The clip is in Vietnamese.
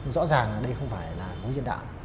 rõ ràng là đây không phải là mục đích nhân đạo